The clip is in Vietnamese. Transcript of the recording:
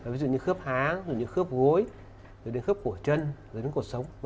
ví dụ như khớp há khớp gối khớp cổ chân khớp cổ sống